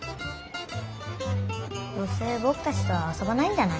どうせぼくたちとはあそばないんじゃない？